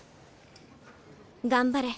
頑張れ。